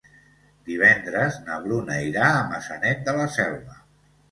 Divendres na Bruna irà a Maçanet de la Selva.